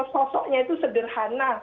sosoknya itu sederhana